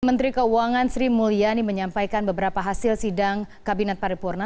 menteri keuangan sri mulyani menyampaikan beberapa hasil sidang kabinet paripurna